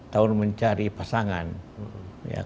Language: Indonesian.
tahun mencari pasangan